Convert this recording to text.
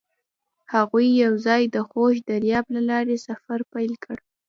هغوی یوځای د خوږ دریاب له لارې سفر پیل کړ.